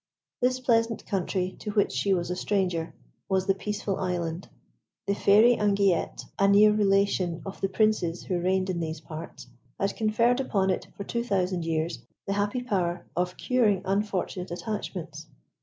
This pleasant country, to which she was a stranger, was the Peaceful Island. The Fairy Anguillette, a near relation of the Princes who reigned in these parts, had conferred upon it, for two thousand years, the happy power of curing unfortunate attachments.